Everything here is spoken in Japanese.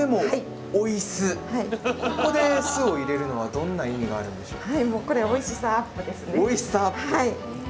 ここで酢を入れるのはどんな意味があるんでしょうか？